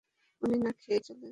উনি না খেয়েই চলে গেলেন।